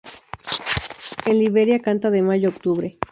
En Liberia canta de mayo a octubre.